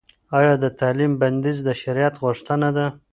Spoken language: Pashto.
ایا د تعلیم بندیز د شرعیت غوښتنه ده؟